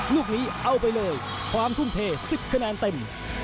ลูกนี้เอาไปเลยความทุ่มเท๑๐คะแนนเต็ม